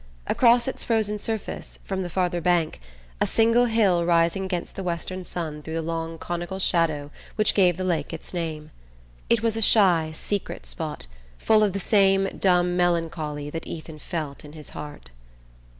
Across its frozen surface, from the farther bank, a single hill rising against the western sun threw the long conical shadow which gave the lake its name. It was a shy secret spot, full of the same dumb melancholy that Ethan felt in his heart.